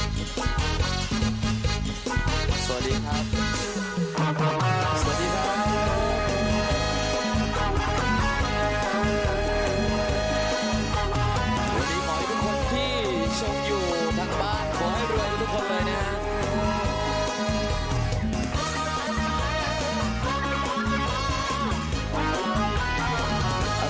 ขอให้รวยทุกคนเลยนะ